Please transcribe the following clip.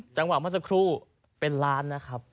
จังหวะว่าสกรุเป็นล้านนะครับ